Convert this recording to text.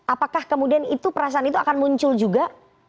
apakah kemudian itu perasaan itu akan muncul juga